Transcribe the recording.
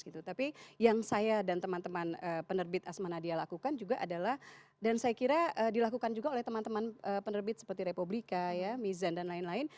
tapi yang saya dan teman teman penerbit asma nadia lakukan juga adalah dan saya kira dilakukan juga oleh teman teman penerbit seperti republika mizan dan lain lain